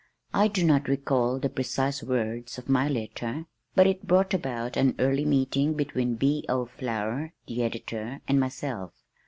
I do not recall the precise words of my letter, but it brought about an early meeting between B. O. Flower, the editor, and myself.